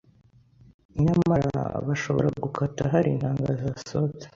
nyamara bashobora gukata hari intanga zasohotse,